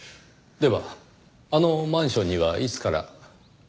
ではあのマンションにはいつから？